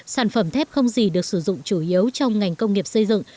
sản phẩm thép không gì được sử dụng chủ yếu trong ngành công nghiệp xây dựng